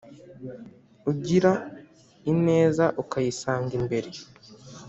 Ugira ineza ukayisanga imbere